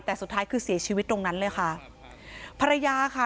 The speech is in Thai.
แต่สุดท้ายคือเสียชีวิตตรงนั้นเลยค่ะภรรยาค่ะ